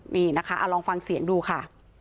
นี่นะคะลองฟังเสียงดูค่ะ